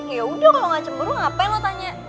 yaudah kalo gak cemburu ngapain lo tanya